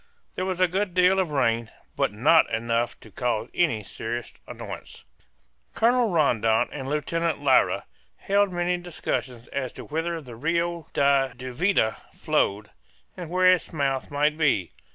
There was a good deal of rain, but not enough to cause any serious annoyance. Colonel Rondon and Lieutenant Lyra held many discussions as to whither the Rio da Duvida flowed, and where its mouth might be.